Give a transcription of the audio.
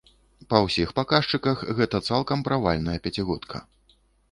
Па ўсіх паказчыках гэта цалкам правальная пяцігодка.